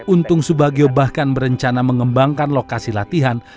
untung subagio bahkan berencana mengembangkan lokasi latihan